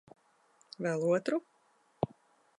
Vēl otru?